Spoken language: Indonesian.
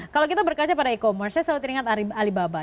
kalau kita berkaca pada e commerce saya selalu teringat alibaba